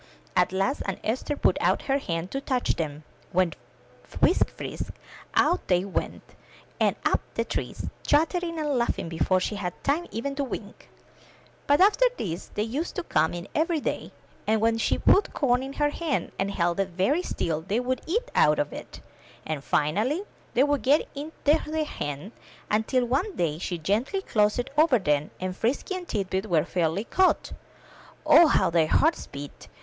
At last Aunt Esther put out her hand to touch them, when, whisk frisk, out they went, and up the trees, chattering and laughing before she had time even to wink. 37^ IN THE NURSERY But after this they used to come in every day, and when she put corn in her hand and held it very still they would eat out of it; and, finally, they would get into her hand, until one day she gently closed it over them, and Frisky and Tit bit were fairly caught. O, how their hearts beat